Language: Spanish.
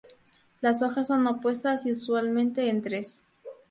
Las hojas son opuestas y usualmente en tres.